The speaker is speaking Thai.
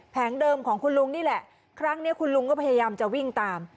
เดิมของคุณลุงนี่แหละครั้งนี้คุณลุงก็พยายามจะวิ่งตาม